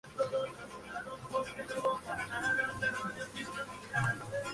Temas del Día Mundial de las Aves Migratorias